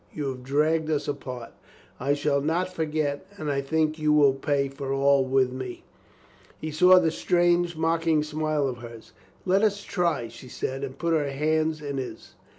You have dragged us apart. I shall not forget. And I think you will pay for all with me." He saw that strange, mocking smile of hers. "Let us try," she said and put her hands in his.